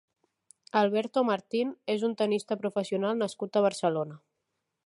Alberto Martín és un tennista professional nascut a Barcelona.